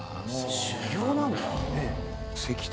修行なんだ。